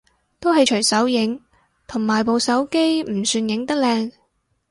都係隨手影，同埋部手機唔算影得靚